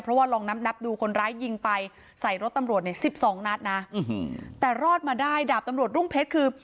เพราะว่าลองนับนับดูคนร้ายยิงไปใส่รถตำรวจเนี่ย๑๒นัดนะแต่รอดมาได้ดาบตำรวจรุ่งเพชรคือ